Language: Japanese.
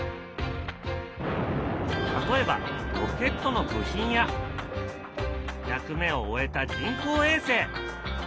例えばロケットの部品や役目を終えた人工衛星。